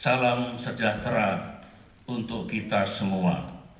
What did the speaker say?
salam sejahtera untuk kita semua